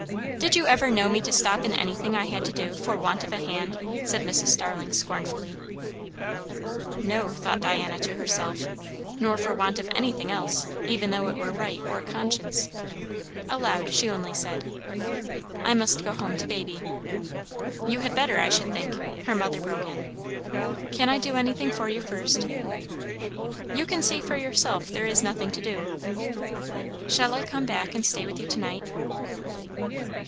"Did you ever know me to stop in anything I had to do, for want of a hand?" said Mrs. Starling scornfully. No, thought Diana to herself; nor for want of anything else, even though it were right or conscience. Aloud she only said, "I must go home to baby" "You had better, I should think," her mother broke in. "Can I do anything for you first?" "You can see for yourself, there is nothing to do." "Shall I come back and stay with you to night?"